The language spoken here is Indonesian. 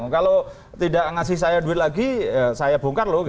kalau tidak ngasih saya duit lagi saya bongkar loh